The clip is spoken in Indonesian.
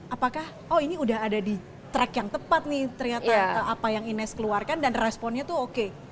apakah oh ini udah ada di track yang tepat nih ternyata apa yang ines keluarkan dan responnya tuh oke